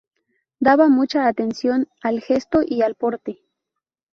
Daba mucha atención al gesto y al porte.